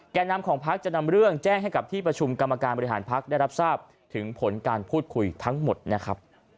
แก่นำของพักจะนำเรื่องแจ้งให้กับที่ประชุมกรรมการบริหารพักได้รับทราบถึงผลการพูดคุยทั้งหมดนะครับ